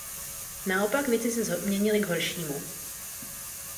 Naopak, věci se změnily k horšímu.